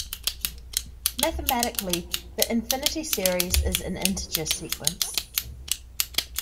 Mathematically, the infinity series is an integer sequence.